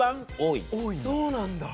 そうなんだ。